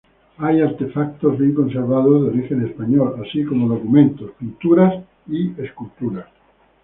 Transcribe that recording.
Hay artefactos bien conservados de origen español, así como documentos, pinturas y esculturas.